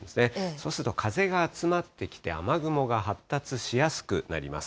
そうすると風が集まってきて、雨雲が発達しやすくなります。